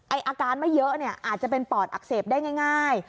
อาการไม่เยอะเนี่ยอาจจะเป็นปอดอักเสบได้ง่าย